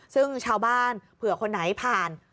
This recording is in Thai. ซึ่งชาวบ้านเผื่อคนไหนผ่าน